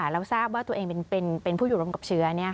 แล้วทราบว่าตัวเองเป็นผู้อยู่ร่วมกับเชื้อ